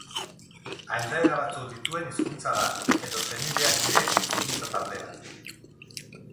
Aldaera batzuk dituen hizkuntza da, edo senideak diren hizkuntza-taldea.